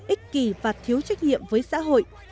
ích kỳ và thiếu trách nhiệm với xã hội